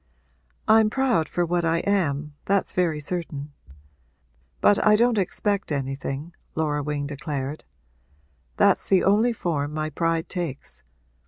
'I'm proud for what I am that's very certain. But I don't expect anything,' Laura Wing declared. 'That's the only form my pride takes.